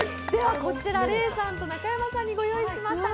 こちら、レイさんと中山さんにご用意しました。